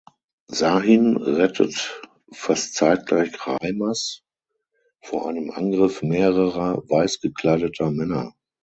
Sahin rettet fast zeitgleich Reimers vor einem Angriff mehrerer weiß gekleideter Männer.